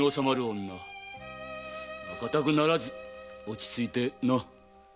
固くならず落ち着いてな。